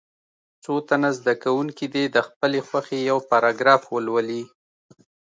څو تنه زده کوونکي دې د خپلې خوښې یو پاراګراف ولولي.